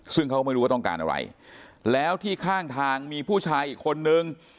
ซึ่งเขาไม่รู้ว่าต้องการอะไรแล้วที่ข้างทางมีผู้ชายอีกคนนึง